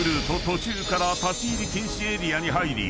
途中から立ち入り禁止エリアに入り